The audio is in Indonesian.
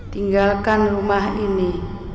tinggalkan rumah ini